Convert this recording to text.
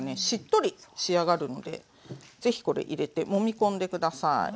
しっとり仕上がるので是非これ入れてもみ込んで下さい。